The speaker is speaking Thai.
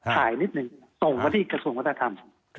นิดหนึ่งส่งมาที่กระทรวงวัฒนธรรม